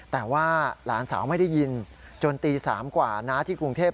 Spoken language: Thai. แต่ว่าหลานสาวไม่ได้ยินจนตี๓กว่าน้าที่กรุงเทพ